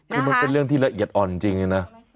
คือมันเป็นเรื่องที่ละเอียดอ่อนจริงนะ